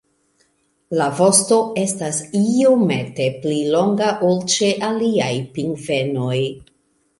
La vosto estas iomete pli longa ol ĉe aliaj pingvenoj.